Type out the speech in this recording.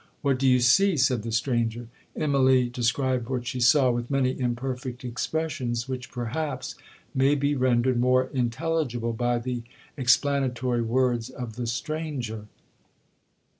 'What do you see?' said the stranger. Immalee described what she saw with many imperfect expressions, which, perhaps, may be rendered more intelligible by the explanatory words of the stranger.